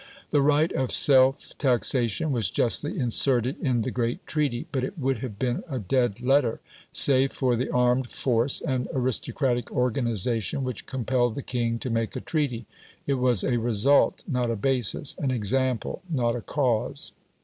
The right of self taxation was justly inserted in the "great treaty"; but it would have been a dead letter, save for the armed force and aristocratic organisation which compelled the king to make a treaty; it was a result, not a basis an example, not a cause.